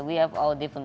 meski saya masih di sini